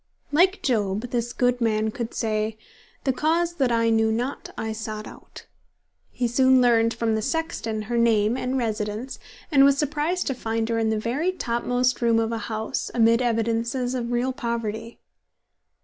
Like Job this good man could say, "The cause that I knew not, I sought out." He soon learned from the sexton her name and residence, and was surprised to find her in the very topmost room of a house, amid evidences of real poverty.